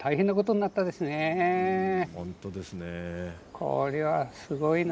これはすごいな。